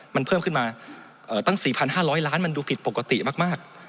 มันเพิ่มขึ้นมาตั้ง๔๕๐๐ล้านมันดูผิดปกติมาก